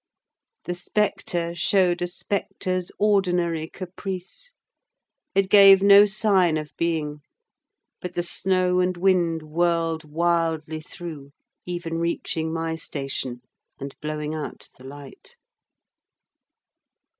The spectre showed a spectre's ordinary caprice: it gave no sign of being; but the snow and wind whirled wildly through, even reaching my station, and blowing out the light.